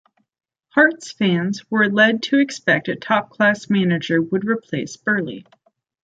Hearts fans were led to expect a "top class manager" would replace Burley.